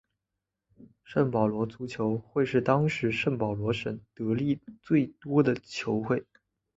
圣保罗足球会是当时圣保罗省得利最多的球会。